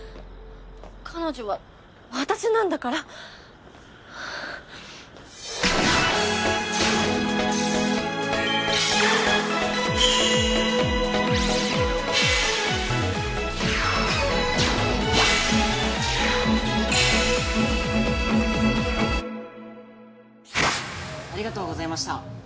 彼女は私なんだからありがとうございました